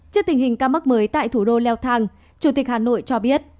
trước tình hình ca mắc mới tại thủ đô leo thang chủ tịch hà nội cho biết